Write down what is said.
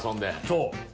そう。